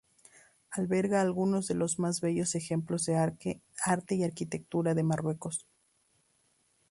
Alberga algunos de los más bellos ejemplos de arte y arquitectura de Marruecos.